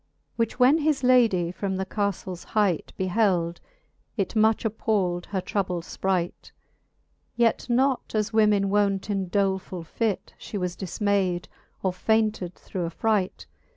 Which when his ladie from the caftles hight Beheld, it much appald her troubled fpright r Yet not, as women wont in doleful! fit, She was difmayd, or faynted through affright.